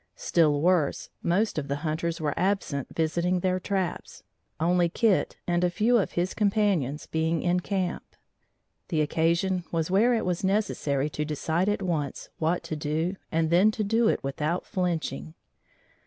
Still worse, most of the hunters were absent visiting their traps, only Kit and a few of his companions being in camp. The occasion was where it was necessary to decide at once what to do and then to do it without flinching.